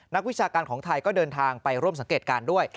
วิชาการของไทยก็เดินทางไปร่วมสังเกตการณ์ด้วย